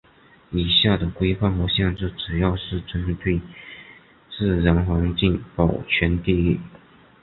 以下的规范和限制主要是针对自然环境保全地域。